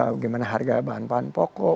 bagaimana harga bahan bahan pokok